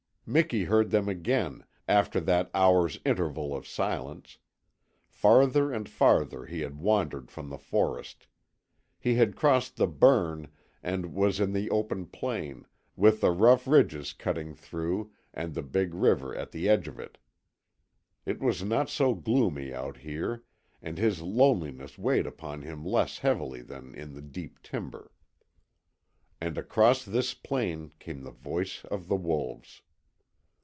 Miki heard them again, after that hour's interval of silence. Farther and farther he had wandered from the forest. He had crossed the "burn," and was in the open plain, with the rough ridges cutting through and the big river at the edge of it. It was not so gloomy out here, and his loneliness weighed upon him less heavily than in the deep timber. And across this plain came the voice of the wolves.